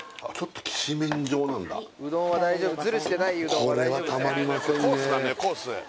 これはたまりませんね